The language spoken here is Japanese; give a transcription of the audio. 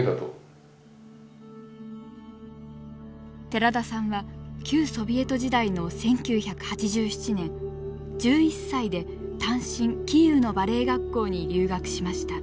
寺田さんは旧ソビエト時代の１９８７年１１歳で単身キーウのバレエ学校に留学しました。